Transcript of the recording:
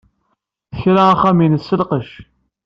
Tekra axxam-nnes s lqecc.